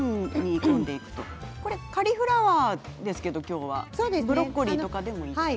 今日はカリフラワーですけどブロッコリーでもいいですか。